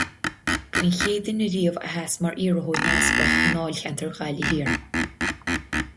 Ba í an chéad duine riamh a sheas mar iarrthóir neamhspleách i ndáilcheantar Ghaillimh Thiar.